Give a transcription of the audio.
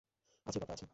আছে পাপা আছে।